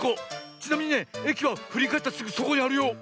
ちなみにねえきはふりかえったすぐそこにあるよ。